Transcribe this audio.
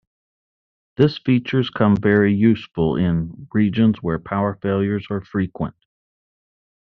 This features come very useful in regions where power failures are frequent.